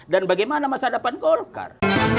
dan bagaimana masa depan golkar